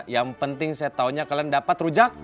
yang penting saya taunya kalian dapat rujak